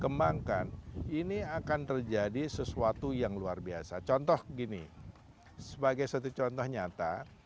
kembangkan ini akan terjadi sesuatu yang luar biasa contoh gini sebagai satu contoh nyata